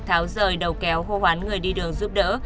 tháo rời đầu kéo hô hoán người đi đường giúp đỡ